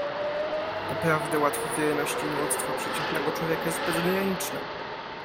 "Doprawdy łatwowierność i nieuctwo przeciętnego człowieka jest bezgraniczne."